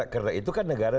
karena itu kan negara